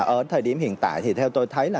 ở thời điểm hiện tại thì theo tôi thấy là